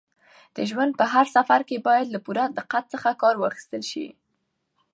د ژوند په هر سفر کې باید له پوره دقت څخه کار واخیستل شي.